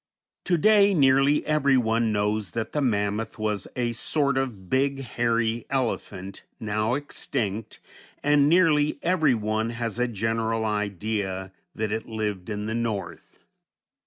To day, nearly every one knows that the mammoth was a sort of big, hairy elephant, now extinct, and nearly every one has a general idea that it lived in the North.